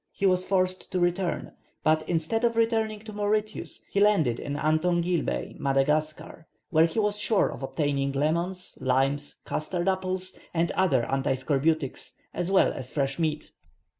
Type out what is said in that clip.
He was forced to return; but, instead of returning to Mauritius, he landed in Antongil Bay, Madagascar, where he was sure of obtaining lemons, limes, custard apples, and other anti scorbutics, as well as fresh meat.